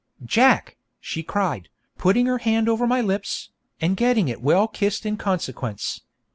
Jack!' she cried, putting her hand over my lips, and getting it well kissed in consequence.